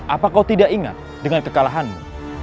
apa kau tidak ingat dengan kekalahanmu